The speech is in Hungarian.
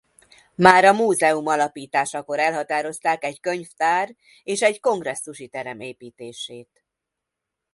Már a múzeum alapításakor elhatározták egy könyvtár és egy kongresszusi terem építését.